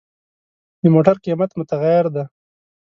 د موټر قیمت متغیر دی.